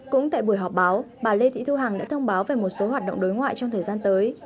cũng tại buổi họp báo bà lê thị thu hằng đã thông báo về một số hoạt động đối ngoại trong thời gian tới